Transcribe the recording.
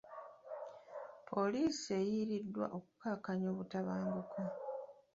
Poliisi eyiiriddwa okukakkanya obutabanguko.